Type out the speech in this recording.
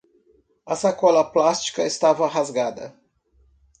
A sacola plástica estava rasgada.